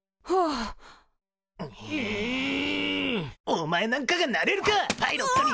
お前なんかがなれるかパイロットに。